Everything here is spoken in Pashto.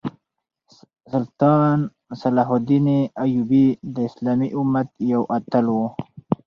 سلطان صلاح الدین ایوبي د اسلامي امت یو اتل وو.